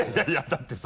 だってさ。